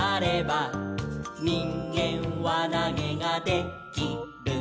「にんげんわなげがで・き・る」